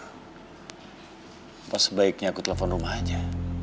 apa sebaiknya aku telepon rumah aja